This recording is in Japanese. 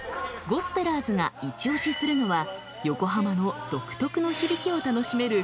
ゴスペラーズがいちオシするのは横浜の独特の響きを楽しめる